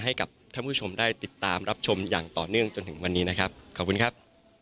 ให้กับถ้าคุณผู้ชมได้ติดตามรับชมอย่างต่อเนื่องจนถึงวันนี้นะครับ